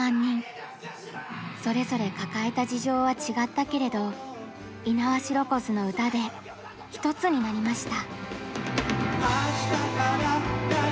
それぞれ抱えた事情は違ったけれど猪苗代湖ズの歌で一つになりました。